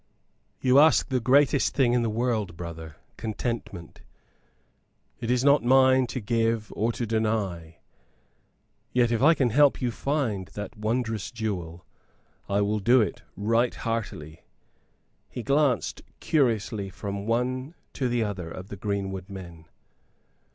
"You ask the greatest thing in the world, brother contentment. It is not mine to give or to deny. Yet if I can help you to find that wondrous jewel, I will do it right heartily." He glanced curiously from one to the other of the greenwood men.